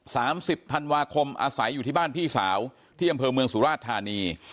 สามสิบธันวาคมอาศัยอยู่ที่บ้านพี่สาวที่อำเภอเมืองสุราชธานี